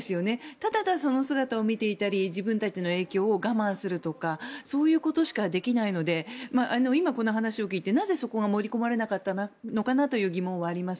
ただその姿を見ていたり自分たちの影響を我慢するとかそういうことしかできないので今、この話を聞いてなぜ、そこが盛り込まれなかったのかなという疑問はあります。